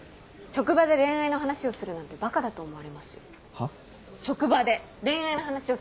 職場で恋愛の話をするなんてばかだと思われます。